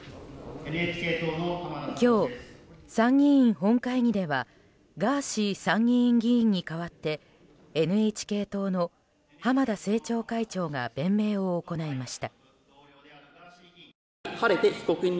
今日、参議院本会議ではガーシー参議院議員に代わってＮＨＫ党の浜田政調会長が弁明を行いました。